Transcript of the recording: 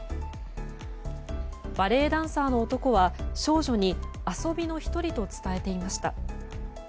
バレエダンサーの男は少女に遊びの１人と伝えていました。